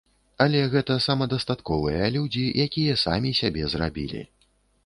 Але гэта самадастатковыя людзі, якія самі сябе зрабілі.